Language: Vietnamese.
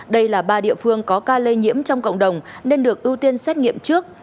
đây là ba địa phương có ca lây nhiễm trong cộng đồng nên được ưu tiên xét nghiệm trước